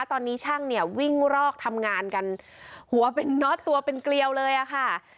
ตอนนี้ช่างเนี่ยวิ่งรอกทำงานกันหัวเป็นน็อตตัวเป็นเกลียวเลยอะค่ะ